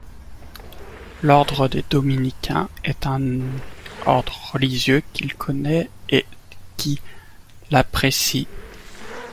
L’ordre des Dominicains est un Ordre religieux qu’il connaît et qui l’apprécie.